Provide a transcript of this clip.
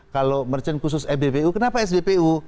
kalau merchant khusus sbbu kenapa sbpu